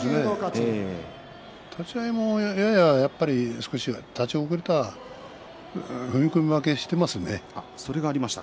立ち合いもやや立ち遅れた踏み込み負けしていますよね。